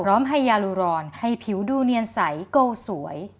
ไฮยารูรอนให้ผิวดูเนียนใสโก้สวย